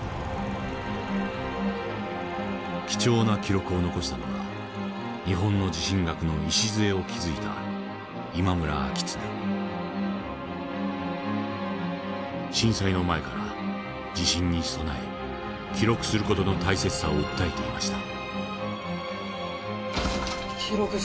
貴重な記録を残したのは日本の地震学の礎を築いた震災の前から地震に備え記録する事の大切さを訴えていました。